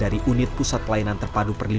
aku nangis aku pelan pelan sakit terus